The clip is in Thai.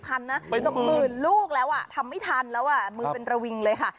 ๑๐พันนะประมาณหมื่นลูกแล้วทำไม่ทันแล้วมือเป็นระวิงเลยค่ะ